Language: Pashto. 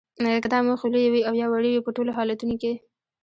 که دا موخې لویې وي او یا وړې وي په ټولو حالتونو کې